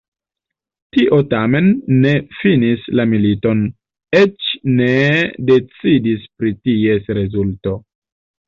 Tio tamen ne finis la militon, eĉ ne decidis pri ties rezulto.